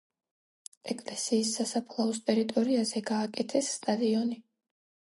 ეკლესიის სასაფლაოს ტერიტორიაზე გააკეთეს სტადიონი.